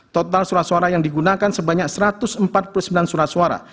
total surat suara yang digunakan sebanyak satu ratus empat puluh sembilan surat suara